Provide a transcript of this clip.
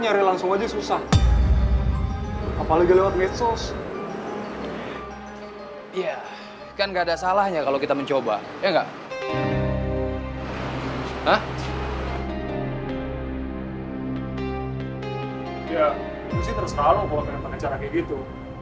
ya itu sih terserah lo kalau keren pengejar kayak gitu